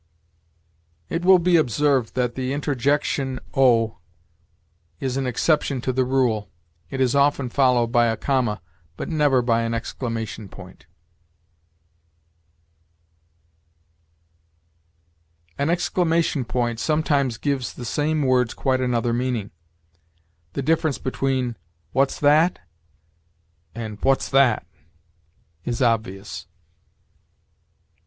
It will be observed that the interjection O is an exception to the rule: it is often followed by a comma, but never by an exclamation point. An exclamation point sometimes gives the same words quite another meaning. The difference between "What's that?" and "What's that!" is obvious.